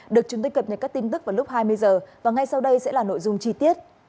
được chúng tôi cập nhật các tin tức vào lúc hai mươi h và ngay sau đây sẽ là nội dung chi tiết